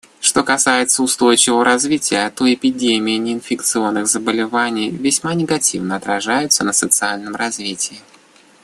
Что касается устойчивого развития, то эпидемия неинфекционных заболеваний весьма негативно отражается на социальном развитии.